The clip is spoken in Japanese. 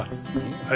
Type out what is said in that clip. はい。